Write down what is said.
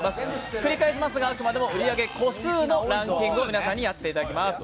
繰り返しますが、あくまで売り上げ個数のランキングを皆さんにやっていただきます。